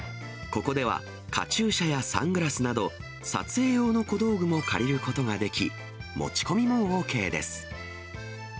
ここではカチューシャやサングラスなど、撮影用の小道具も借りることができ、持ち込みもＯＫです。